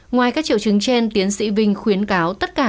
ngoài các triệu chứng trên tiến sĩ vinh khuyến cáo tất cả